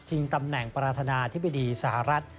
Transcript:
ทิ้งตำแหน่งปรารถนาอธิบดีสหรัฐ